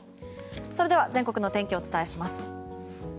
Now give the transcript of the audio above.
それでは全国の天気をお伝えします。